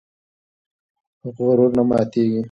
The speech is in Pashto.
غرور نه ماتېږي.